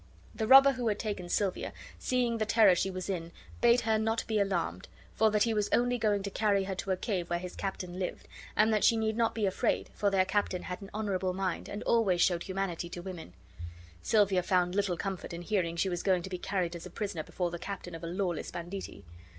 The robber who had taken Silvia, seeing the terror she was in, bade her not be alarmed, for that he was only going to carry her to a cave where his captain lived, and that she need not be afraid, for their captain had an honorable mind and always showed humanity to women. Silvia found little comfort in hearing she was going to be carried as a prisoner before the captain of a lawless banditti.